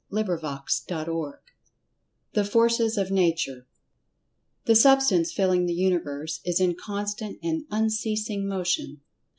[Pg 109] CHAPTER VIII THE FORCES OF NATURE THE Substance filling the Universe is in constant and unceasing Motion.